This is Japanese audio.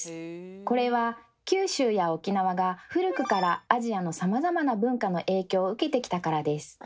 これは九州や沖縄が古くからアジアのさまざまな文化の影響を受けてきたからです。